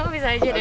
kamu bisa aja deh